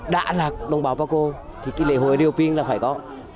đã là đồng bào bắc cô thì cái lễ hội ayrioping là phải có